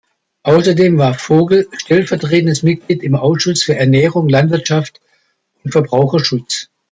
Außerdem war Vogel stellvertretendes Mitglied im Ausschuss für Ernährung, Landwirtschaft und Verbraucherschutz.